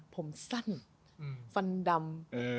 ผมสั้นฟันดำ